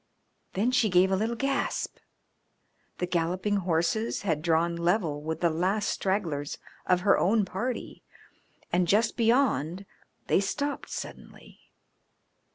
Then she gave a little gasp. The galloping horses had drawn level with the last stragglers of her own party, and just beyond they stopped suddenly.